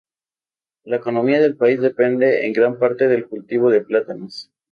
La economía del país depende en gran parte del cultivo de plátanos.